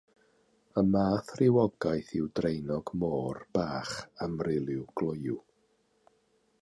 Y math rhywogaeth yw draenog môr bach amryliw gloyw.